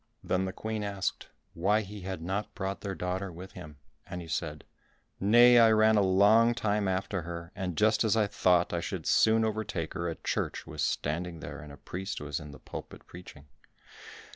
Then the Queen asked why he had not brought their daughter with him, and he said, "Nay, I ran a long time after her, and just as I thought I should soon overtake her, a church was standing there and a priest was in the pulpit preaching."